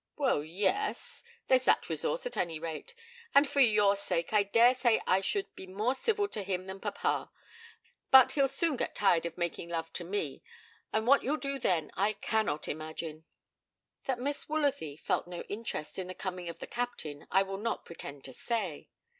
'Well, yes; there's that resource at any rate, and for your sake I dare say I should be more civil to him than papa. But he'll soon get tired of making love to me, and what you'll do then I cannot imagine.' That Miss Woolsworthy felt no interest in the coming of the Captain I will not pretend to say.